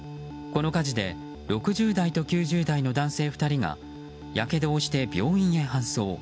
この火事で６０代と９０代の男性２人がやけどをして病院へ搬送。